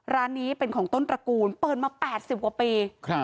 ร้านนี้เป็นของต้นตระกูลเปิดมา๘๐กว่าปี